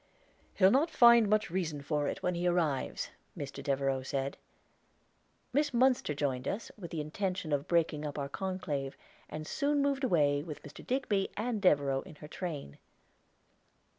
"He'll not find much reason for it, when he arrives," Mr. Devereaux said. Miss Munster joined us, with the intention of breaking up our conclave, and soon moved away, with Mr. Digby and Devereaux in her train.